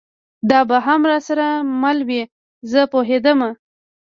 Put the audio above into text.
دا به هم را سره مله وي، زه پوهېدم.